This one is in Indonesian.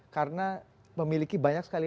karena memiliki banyak sekali